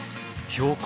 標高